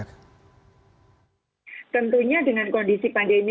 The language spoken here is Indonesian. tentunya dengan kondisi pandemi